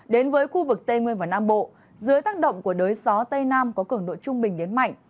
đến với khu vực tây nguyên và nam bộ dưới tác động của đới gió tây nam có cường độ trung bình đến mạnh